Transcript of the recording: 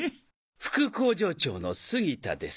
副工場長のスギタです。